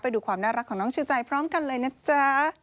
ไปดูความน่ารักของน้องชูใจพร้อมกันเลยนะจ๊ะ